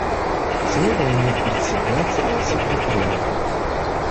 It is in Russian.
Слово имеет представитель Секретариата.